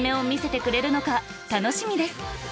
楽しみです。